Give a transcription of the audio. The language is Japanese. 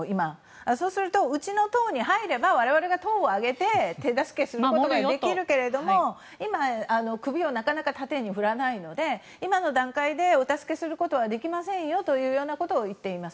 そうするとうちの党に入れば我々が党を挙げて手助けすることができるけども首をなかなか縦に振らないので今の段階でお助けすることはできませんよと言っています。